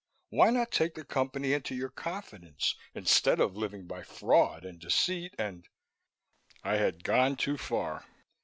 Why not take the Company into your confidence, instead of living by fraud and deceit and " I had gone too far.